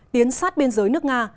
tiến sát biên giới nước nga